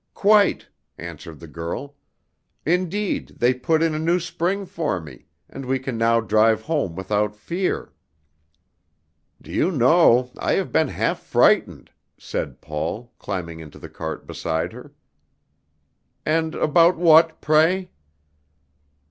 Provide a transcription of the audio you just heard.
"Quite," answered the girl; "indeed, they put in a new spring for me; and we can now drive home without fear." "Do you know, I have been half frightened," said Paul, climbing into the cart beside her. "And about what, pray?"